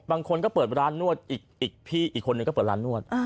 บางคนก็เปิดร้านนวดอีกพี่อีกคนนึงก็เปิดร้านนวด